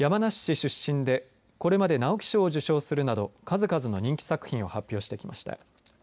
山梨市出身でこれまで直木賞を受賞するなど数々の人気作品を発表してきました。